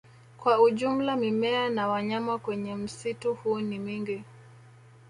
Kwa ujumla mimea na wanyama kwenye msitu huu ni mingi